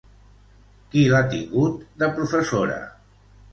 Qui l'ha tingut de professora?